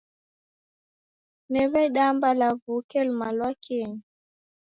Dewedamba lawuke lumalwakenyi